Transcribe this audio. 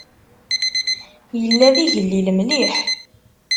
Yella d igellil mliḥ.